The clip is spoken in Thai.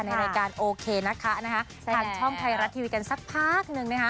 ในรายการโอเคนะคะทางช่องไทยรัฐทีวีกันสักพักหนึ่งนะคะ